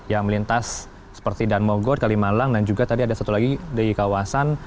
yang melintas seperti danmogor kalimalang dan juga tadi ada satu lagi di kawasan